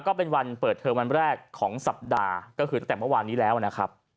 ก็เป็นวันเปิดเทอมวันแรกของสัปดาห์ก็คือตั้งแต่เมื่อวานนี้แล้วนะครับ